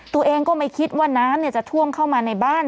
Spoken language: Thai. ตัวเองก็ไม่คิดว่าน้ำจะท่วมเข้ามาในบ้าน